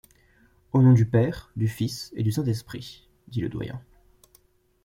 Au nom du Père, du Fils et du Saint-Esprit, dit le doyen.